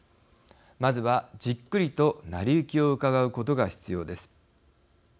まずは、じっくりと成り行きをうかがうことが必要です。